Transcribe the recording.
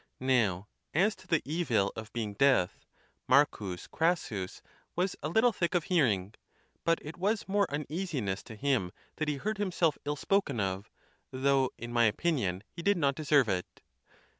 Now, as to the evil of being deaf. M. Crassus was a little thick of hearing; but it was more uneasiness to him that he heard himself ill spoken of; though, in my opinion, he did not deserve it.